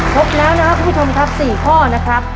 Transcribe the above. ครบแล้วนะครับคุณผู้ชมครับ๔ข้อนะครับ